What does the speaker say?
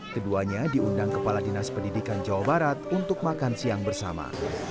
keduanya diundang kepala dinas pendidikan jawa barat untuk makan siang bersama